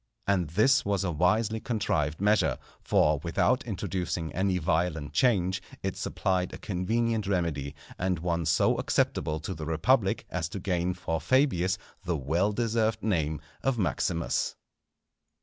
And this was a wisely contrived measure, for, without introducing any violent change, it supplied a convenient remedy, and one so acceptable to the republic as to gain for Fabius the well deserved name of Maximus.